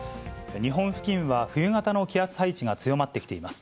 日本付近は冬型の気圧配置が強まってきています。